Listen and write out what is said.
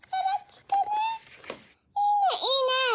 「いいね。いいね。